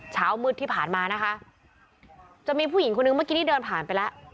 เช้ามืดที่ผ่านมานะคะจะมีผู้หญิงคนนึงเมื่อกี้ที่เดินผ่านไปแล้ว